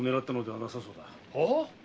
はあ？